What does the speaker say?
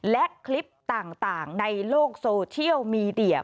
และคลิปต่างในโลกโซเชียลมีเดีย